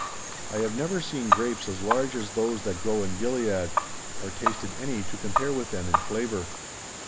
I have never seen grapes as large as those that grow in Gilead, or tasted any to compare with them in flavour.